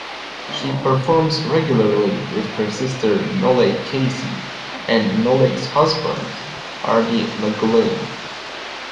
She performs regularly with her sister Nollaig Casey and Nollaig's husband Arty McGlynn.